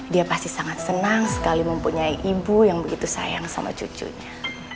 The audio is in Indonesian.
dia pasti sangat senang sekali mempunyai ibu yang begitu sayang sama cucunya